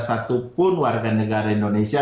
satupun warga negara indonesia